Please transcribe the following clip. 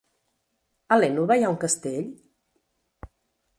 A l'Énova hi ha un castell?